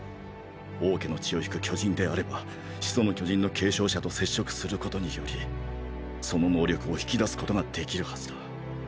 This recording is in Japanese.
「王家の血を引く巨人」であれば「始祖の巨人」の継承者と接触することによりその能力を引き出すことができるはずだ。